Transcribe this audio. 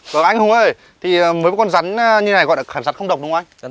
rồi anh hùng ơi thì với con rắn như này gọi là khẩn rắn không độc đúng không anh